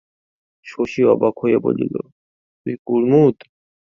শশী অবাক হইয়া বলিল, তুই কুমুদ?